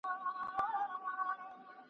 ځان ازاد که له ټولۍ د ظالمانو .